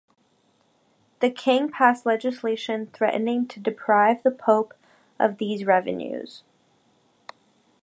The king passed legislation threatening to deprive the Pope of these revenues.